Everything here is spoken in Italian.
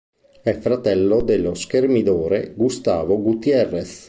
È il fratello dello schermidore Gustavo Gutiérrez.